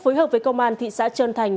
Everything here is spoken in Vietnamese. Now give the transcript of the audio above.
phối hợp với công an thị xã trần thành